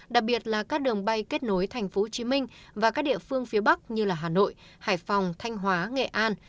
đặc biệt là các đường bay kết nối tp hcm và các địa phương phía bắc như hà nội hải phòng thanh hóa nghệ an